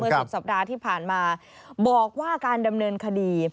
สุดสัปดาห์ที่ผ่านมาบอกว่าการดำเนินคดี